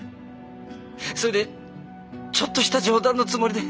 それでちょっとした冗談のつもりで。